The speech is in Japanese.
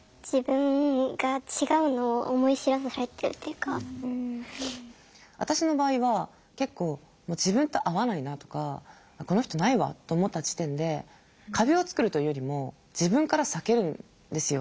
何か私の場合は結構もう自分と合わないなとかこの人ないわと思った時点で壁を作るというよりも自分から避けるんですよ。